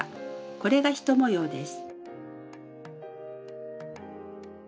これが１模様です。